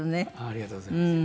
ありがとうございます。